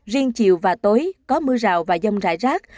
riêng chiều và tối có mưa rào và dông rải rác